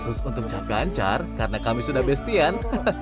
khusus untuk cak gancar karena kami sudah bestian